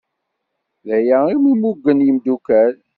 D aya iwmi mmugen yimdukal.